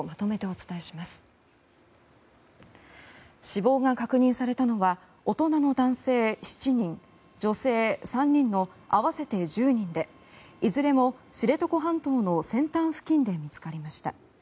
死亡が確認されたのは大人の男性７人女性３人の合わせて１０人でいずれも知床半島の先端付近で見つかりました。